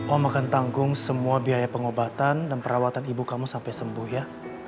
oh makan tanggung semua biaya pengobatan dan perawatan ibu kamu sampai sembuh ya